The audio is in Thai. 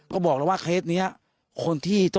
ก็บอกแล้วว่าเคสนี้